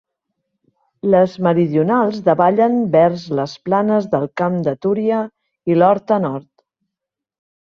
Les meridionals davallen vers les planes del Camp de Túria i l'Horta Nord.